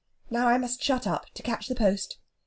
Now I must shut up to catch the post.